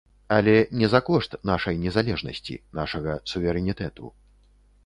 Але не за кошт нашай незалежнасці, нашага суверэнітэту.